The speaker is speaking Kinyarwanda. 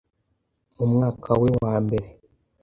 mu mwaka we wambere